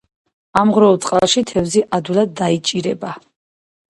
ამღვრეულ წყალში თევზი ადვილად დაიჭირება